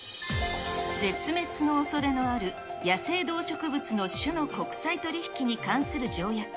絶滅のおそれのある野生動植物の種の国際条約に関する条約。